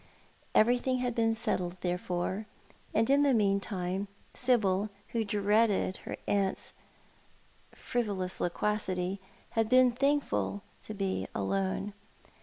Everything had been settled, therefore, and in the mean time What People said. 189 Sibyl, who dreaded her aiint's frivolous loquacity, had been thankful to be alone.